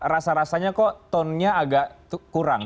rasa rasanya kok tonenya agak kurang